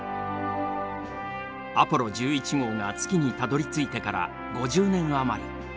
アポロ１１号が月にたどりついてから５０年余り。